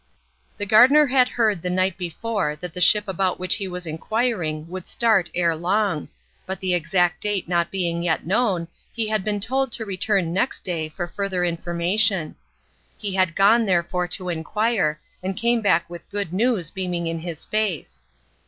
The gardener had heard the night before that the ship about which he was inquiring would start ere long, but the exact date not being yet known he had been told to return next day for further information. He had gone therefore to inquire, and came back with good news beaming in his face.